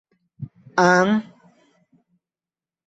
อ๊าง~